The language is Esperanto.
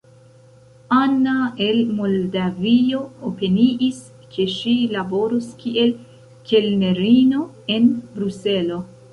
Ana el Moldavio opiniis, ke ŝi laboros kiel kelnerino en Bruselo.